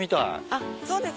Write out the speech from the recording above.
あっそうですね。